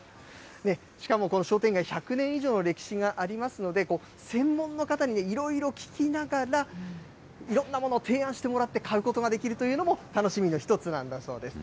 しかもこの商店街、１００年以上の歴史がありますので、専門の方にいろいろ聞きながら、いろんなものを提案してもらって買うことができるというのも、楽しみの１つなんだそうです。